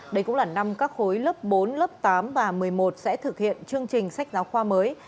đây cũng là năm các khối lớp bốn lớp tám và một mươi một sẽ thực hiện chương trình sách giáo khoa mới